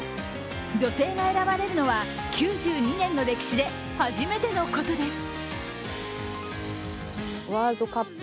女性が選ばれるのは、９２年の歴史で初めてのことです。